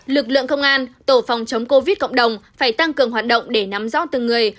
lực lượng công an tổ phòng chống covid cộng đồng phải tăng cường hoạt động để nắm gió từng người